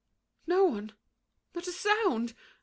No one! Not a sound!